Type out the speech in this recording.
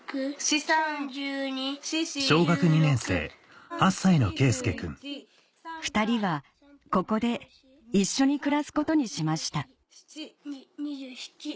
３×７＝２１２人はここで一緒に暮らすことにしました２７。